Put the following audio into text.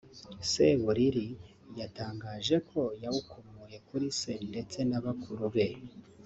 Seburiri yatangaje ko yawukomoye kuri se ndetse na bakuru be